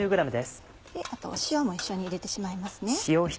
あと塩も一緒に入れてしまいます。